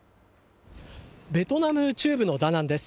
ベトナム中部のダナンです。